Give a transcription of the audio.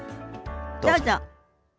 どうぞ。